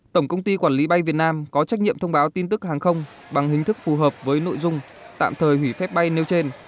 tổng công ty quản lý bay việt nam có trách nhiệm thông báo tin tức hàng không bằng hình thức phù hợp với nội dung tạm thời hủy phép bay nêu trên